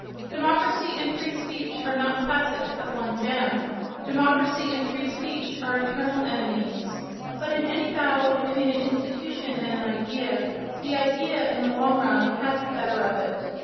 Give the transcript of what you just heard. Democracy and free speech are not facets of one gem; democracy and free speech are eternal enemies. But in any battle between an institution and an idea, the idea, in the long run, has the better of it.